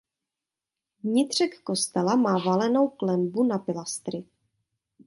Vnitřek kostela má valenou klenbu na pilastry.